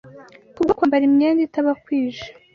Kubwo kwambara imyenda itabakwije,